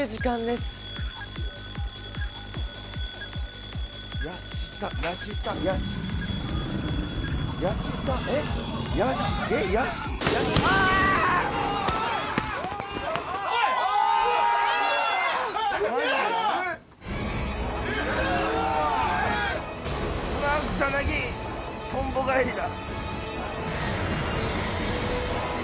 すまん草薙とんぼ返りだ